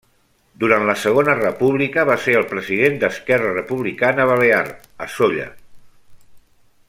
Durant la Segona República va ser el president d'Esquerra Republicana Balear a Sóller.